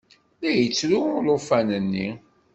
La yettru ulufan-nni.